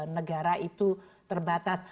negara itu terbatas